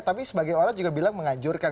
tapi sebagai orang juga bilang menganjurkan